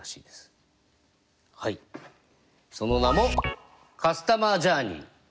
その名もカスタマージャーニー。